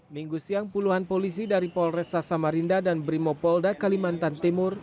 minggu siang puluhan polisi dari polresta samarinda dan brimo poldakalimantan timur